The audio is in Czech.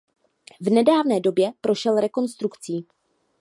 V nedávné době prošel rekonstrukcí.